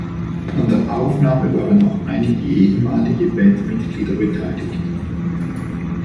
An der Aufnahme waren auch einige ehemalige Bandmitglieder beteiligt.